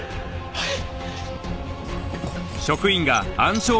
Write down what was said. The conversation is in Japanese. はい！